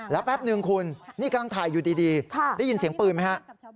แล้วแป๊บนึงคุณนี่กำลังถ่ายอยู่ดีได้ยินเสียงปืนไหมฮะ